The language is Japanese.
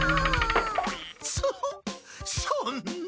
そそんな。